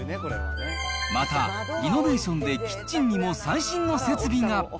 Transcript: また、リノベーションでキッチンにも最新の設備が。